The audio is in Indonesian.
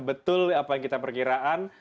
betul apa yang kita perkiraan